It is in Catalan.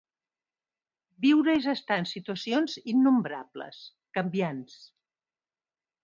Viure és estar en situacions innombrables, canviants.